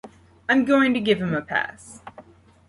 I'm going to give him a pass.